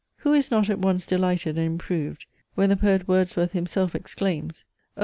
Who is not at once delighted and improved, when the Poet Wordsworth himself exclaims, "Oh!